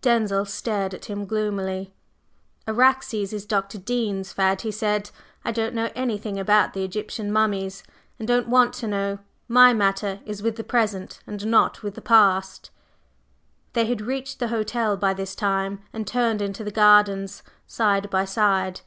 Denzil stared at him gloomily. "Araxes is Dr. Dean's fad," he said. "I don't know anything about Egyptian mummies, and don't want to know. My matter is with the present, and not with the past." They had reached the hotel by this time, and turned into the gardens side by side.